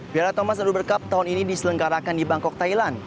piala thomas uber cup tahun ini diselenggarakan di bangkok thailand